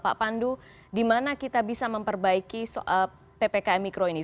pak pandu di mana kita bisa memperbaiki ppkm mikro ini